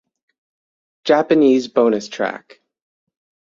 Japanese bonus track